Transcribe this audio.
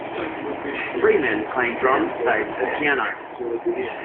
Three men playing drums, bass, and piano